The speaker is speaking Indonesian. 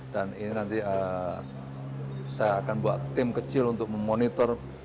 dan ini nanti saya akan buat tim kecil untuk memonitor